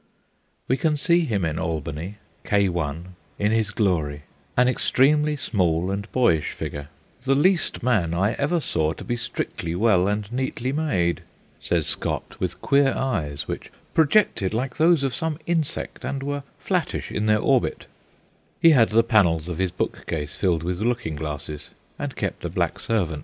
We can see him in Albany, K.I, in his glory, an extremely small and boyish figure ;' the least man I ever saw to be strictly well and neatly made/ says Scott, with queer eyes which 'projected like those of some insect, and were flattish in their orbit/ He had the panels of his bookcases filled with looking glasses, and kept a black servant.